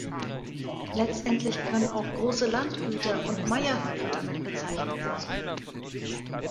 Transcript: Letztendlich können auch große Landgüter und Meierhöfe damit bezeichnet sein.